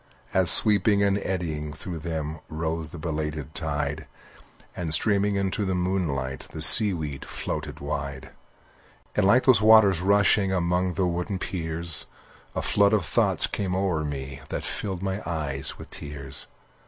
As, sweeping and eddying through them Rose the belated tide, And, streaming into the moonlight, The seaweed floated wide. And like those waters rushing Among the wooden piers, A flood of thoughts came o'er me That filled my eyes with tears.